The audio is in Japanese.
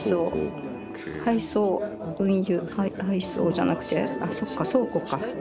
配送じゃなくてあっそっか倉庫か。